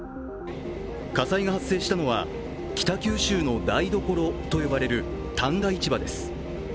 火災が発生したのは、北九州の台所と呼ばれる旦過市場です。